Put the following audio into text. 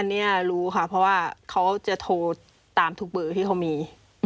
อันนี้รู้ค่ะเพราะว่าเขาจะโทรตามทุกเบอร์ที่เขามี